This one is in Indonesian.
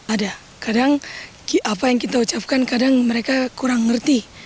ada kadang apa yang kita ucapkan kadang mereka kurang ngerti